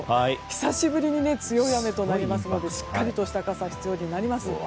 久しぶりに強い雨となりますのでしっかりとした傘必要になります。